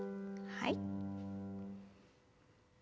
はい。